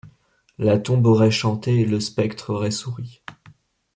La tombe aurait chanté, le spectre aurait souri.